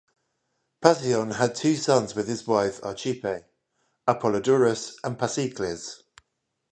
Pasion had two sons with his wife Archippe: Apollodorus and Pasikles.